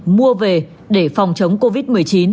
mua về để phòng chống covid một mươi chín